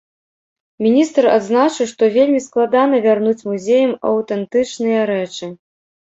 Міністр адзначыў, што вельмі складана вярнуць музеям аўтэнтычныя рэчы.